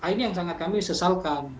ini yang sangat kami sesalkan